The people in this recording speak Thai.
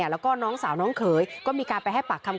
แล้วก็น้องสาวน้องเขยก็มีการไปให้ปากคำ